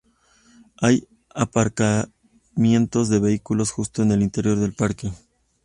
Hay aparcamientos de vehículos justo en el interior del parque.